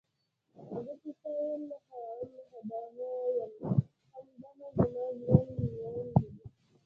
زۀ چې څۀ يم هم دغه يم، هـــم دغه زمـا ژونـد ون دی